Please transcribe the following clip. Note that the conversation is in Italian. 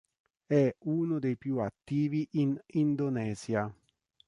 È uno dei più attivi in Indonesia.